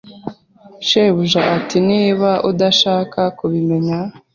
Shebuja ati Niba udashaka kubimenya